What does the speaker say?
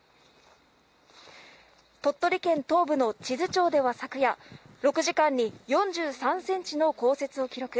鳥取県東部の智頭町では昨夜、６時間に４３センチの降雪を記録。